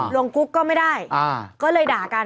วงกุ๊กก็ไม่ได้ก็เลยด่ากัน